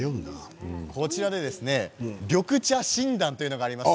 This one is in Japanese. こちらで緑茶診断があります。